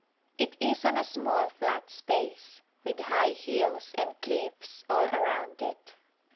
It is on a small flat space, with high hills and cliffs all round it.